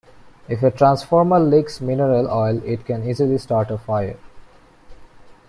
If a transformer leaks mineral oil, it can easily start a fire.